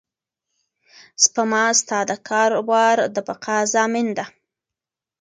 سپما ستا د کاروبار د بقا ضامن ده.